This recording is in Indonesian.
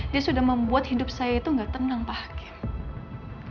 dia sudah membuat hidup saya itu nggak tenang pak hakim